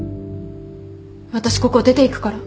私ここを出ていくから。